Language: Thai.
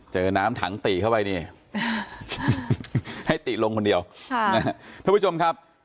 เจอน้ำถังติเข้าไปนี่ให้ติลงคนเดียวท่านผู้ชมครับ